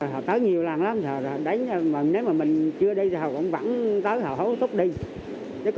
họ tới nhiều lần lắm nếu mà mình chưa đi thì họ vẫn tới họ hỗ trợ tốt đi